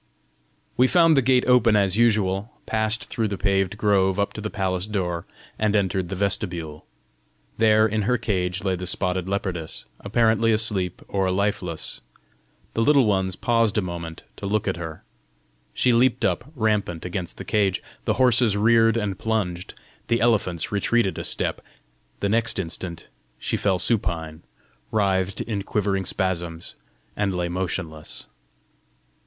We found the gate open as usual, passed through the paved grove up to the palace door, and entered the vestibule. There in her cage lay the spotted leopardess, apparently asleep or lifeless. The Little Ones paused a moment to look at her. She leaped up rampant against the cage. The horses reared and plunged; the elephants retreated a step. The next instant she fell supine, writhed in quivering spasms, and lay motionless.